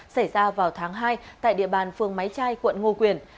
xảy ra vào tháng hai tại địa bàn phường máy trai quận ngô quyền